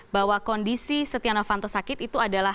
bahwa kondisi setia novanto sakit itu adalah